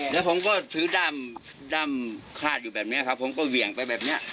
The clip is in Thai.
แล้วผมก็ถือด้ำด้ำคาดอยู่แบบนี้ครับผมก็เหวี่ยงไปแบบนี้